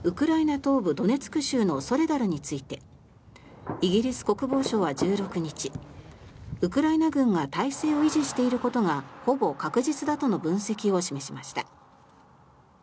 東部ドネツク州のソレダルについてイギリス国防省は１６日ウクライナ軍は態勢を維持していることがほぼ確実だとの分析を示しました。